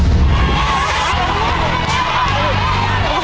โยยเฉพาะเจ้าหญิง